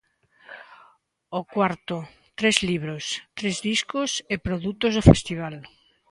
O cuarto, tres libros, tres discos e produtos do festival.